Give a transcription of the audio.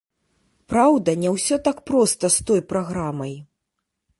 Праўда, не ўсё так проста з той праграмай.